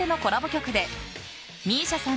曲でＭＩＳＩＡさん